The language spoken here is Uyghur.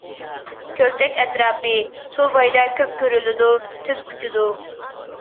كۆلچەك ئەتراپى، سۇ بويىدا كۆپ كۆرۈلىدۇ، تېز ئۇچىدۇ.